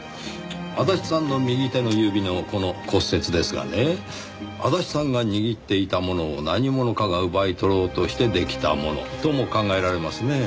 足立さんの右手の指のこの骨折ですがね足立さんが握っていたものを何者かが奪い取ろうとしてできたものとも考えられますねぇ。